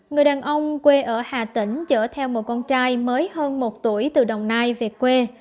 người đàn ông quê ở hà tĩnh chở theo một con trai mới hơn một tuổi từ đồng nai về quê